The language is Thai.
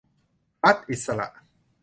รัฐอิสระ